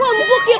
aduh sakit pak d